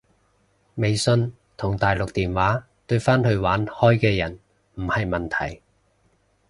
微信同大陸電話對返去玩開嘅人唔係問題